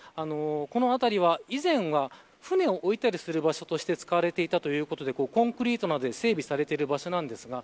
この辺りは、以前は船を置いたりする場所として使われていたということでコンクリートなどで整備されてる場所です。